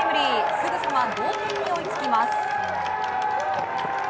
すぐさま同点に追いつきます。